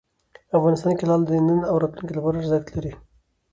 افغانستان کې لعل د نن او راتلونکي لپاره ارزښت لري.